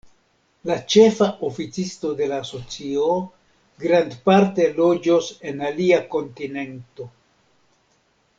La ĉefa oficisto de la asocio grandparte loĝos en alia kontinento.